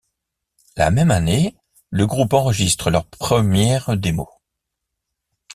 La même année, le groupe enregistre leur première démo '.